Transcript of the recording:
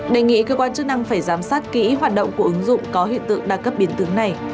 đề nghị cơ quan chức năng phải giám sát kỹ hoạt động của ứng dụng có hiện tượng đa cấp biến tướng này